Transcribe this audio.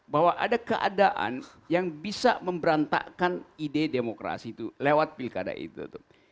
bahwa ada keadaan yang bisa memberantakan ide demokrasi itu lewat pilkada itu